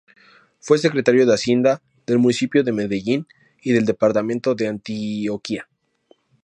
Fue Secretario de Hacienda del Municipio de Medellín y del Departamento de Antioquia.